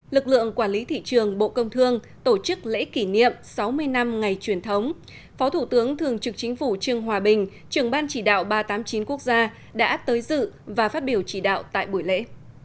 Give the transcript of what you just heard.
lực lượng quản lý thị trường bộ công thương tổ chức lễ kỷ niệm sáu mươi năm ngày truyền thống phó thủ tướng thường trực chính phủ trương hòa bình trưởng ban chỉ đạo ba trăm tám mươi chín quốc gia đã tới dự và phát biểu chỉ đạo tại buổi lễ